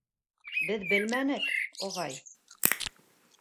— Беҙ белмәнек, ағай.